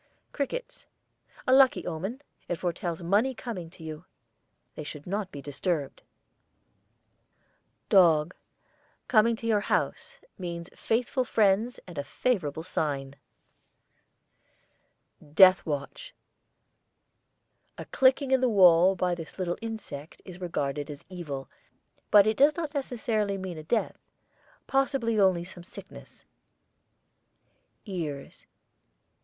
CRICKETS. A lucky omen. It foretells money coming to you. They should not be disturbed. DOG. Coming to your house, means faithful friends and a favourable sign. DEATH WATCH. A clicking in the wall by this little insect is regarded as evil, but it does not necessarily mean a death; possibly only some sickness. EARS.